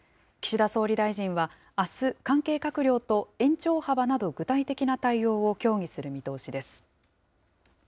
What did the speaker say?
岸田総理大臣はあす、関係閣僚と延長幅など、具体的な対応を協議する見通しです。